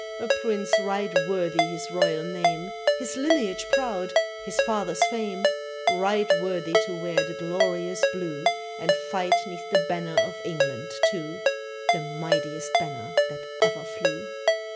A prince right worthy his royal name, His lineage proud, his father's fame; Right worthy to wear the glorious blue, And fight 'neath the banner of England too The mightiest banner that ever flew!